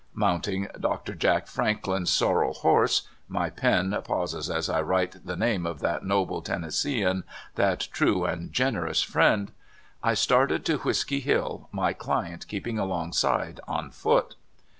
Mounting Dr. Jack Franklin's sorrel horse — my pen pauses as I write the name of that noble Ten nesseean, that true and generous friend — I started to Whisky Hill, my client keeping alongside on foot.